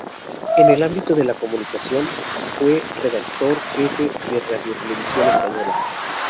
En el ámbito de la comunicación, fue redactor jefe de Radiotelevisión Española.